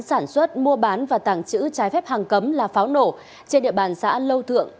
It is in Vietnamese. sản xuất mua bán và tàng trữ trái phép hàng cấm là pháo nổ trên địa bàn xã lâu thượng